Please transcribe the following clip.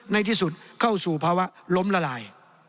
ในที่สุดเข้าสู่ภาวะล้มละลาย